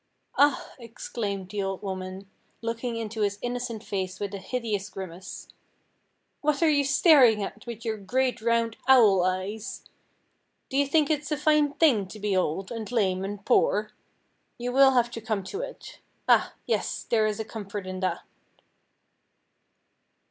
"Ah!" exclaimed the old woman, looking into his innocent face with a hideous grimace, "what are you staring at, with your great round owl eyes? Do you think it is a fine thing to be old, and lame, and poor? You will have to come to it. Ah! yes, there is a comfort in that."